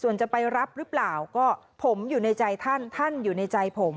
ในใจท่านท่านอยู่ในใจผม